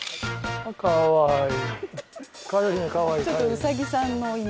ああかわいい。